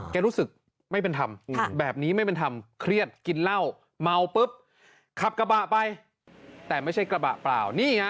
รู้สึกไม่เป็นธรรมแบบนี้ไม่เป็นธรรมเครียดกินเหล้าเมาปุ๊บขับกระบะไปแต่ไม่ใช่กระบะเปล่านี่ฮะ